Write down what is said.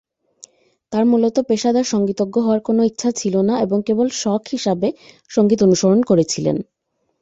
তাঁর মূলত পেশাদার সংগীতজ্ঞ হওয়ার কোনও ইচ্ছা ছিল না এবং কেবল শখ হিসাবে সংগীত অনুসরণ করেছিলেন।